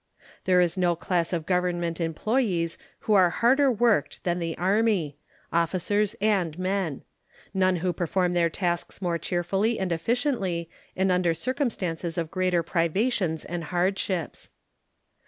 There is no class of Government employees who are harder worked than the Army officers and men; none who perform their tasks more cheerfully and efficiently and under circumstances of greater privations and hardships.